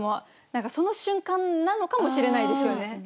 何かその瞬間なのかもしれないですよね。